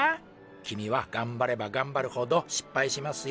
君はがんばればがんばるほどしっぱいしますよ。